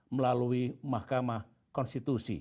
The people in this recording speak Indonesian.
melalui mahkamah konstitusi